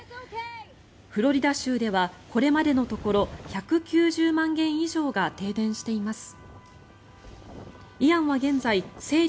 フロリダ州ではこれまでのところ１９０万軒以上が停電しています。